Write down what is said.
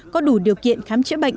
có đủ điều kiện khám chữa bệnh